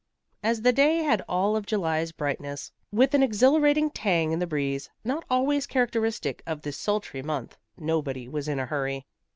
As the day had all of July's brightness with an exhilarating tang in the breeze, not always characteristic of this sultry month, nobody was in a hurry.